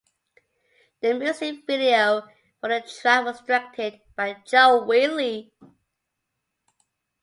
The music video for the track was directed by Joe Wheatley.